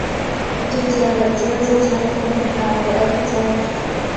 Icyo cyaba ikibazo cya Tom, ntabwo aricyacu.